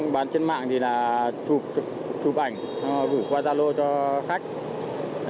bán trên mạng thì là chụp ảnh gửi qua zalo cho khách